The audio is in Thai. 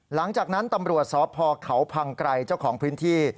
หลังจากนั้นตำรวจสพเขาพังไกรเจ้าของพื้นที่